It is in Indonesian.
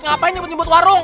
ngapain jepit jepit warung